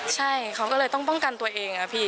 ใช่เขาก็เลยต้องป้องกันตัวเองอะพี่